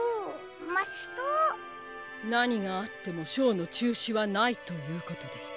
なにがあってもショーのちゅうしはないということです。